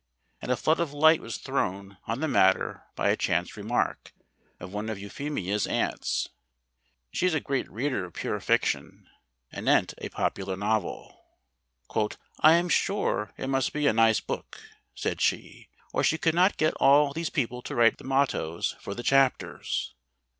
And a flood of light was thrown on the matter by a chance remark of one of Euphemia's aunts she is a great reader of pure fiction anent a popular novel: "I am sure it must be a nice book," said she, "or she could not get all these people to write the mottoes for the chapters."